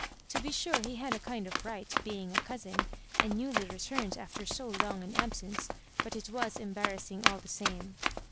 To be sure he had a kind of right, being a cousin, and newly returned after so long an absence, but it was embarrassing all the same.